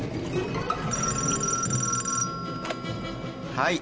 ☎はい。